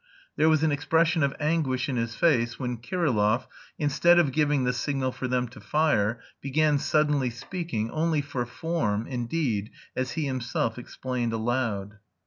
There was an expression of anguish in his face when Kirillov, instead of giving the signal for them to fire, began suddenly speaking, only for form, indeed, as he himself explained aloud.